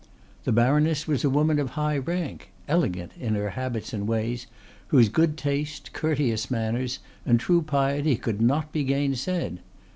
The baroness was a woman of high rank, elegant in her habits and ways, whose good taste, courteous manners, and true piety could not be gainsaid.